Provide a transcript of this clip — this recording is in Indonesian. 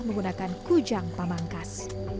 menggunakan kujang pamangkas